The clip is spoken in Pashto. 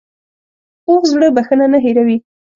پوخ زړه بښنه نه هېروي